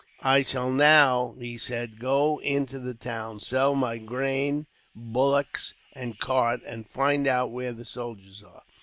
"I shall now," he said, "go into the town, sell my grain, bullocks, and cart, and find out where the soldiers are."